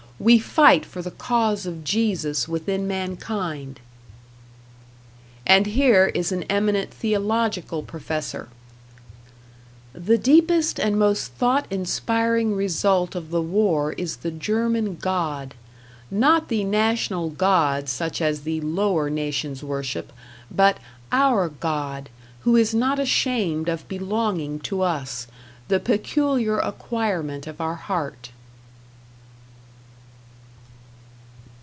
We fight for the cause of Jesus within mankind. And here is an eminent theological professor: The deepest and most thought inspiring result of the war is the German God. Not the national God such as the lower nations worship, but "our God," who is not ashamed of belonging to us, the peculiar acquirement of our heart.